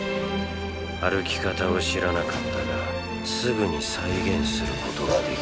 歩き方を知らなかったがすぐに再現することが出来た。